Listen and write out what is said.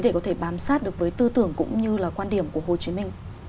để có thể bám sát được với tư tưởng cũng như là quan điểm của hồ chí minh